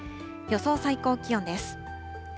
予想最高気温です。